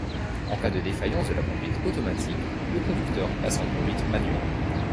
En cas de défaillance de la conduite automatique, le conducteur passe en conduite manuelle.